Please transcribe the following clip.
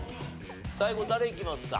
最後誰いきますか？